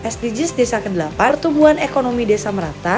sdgs desa ke delapan tumbuhan ekonomi desa merata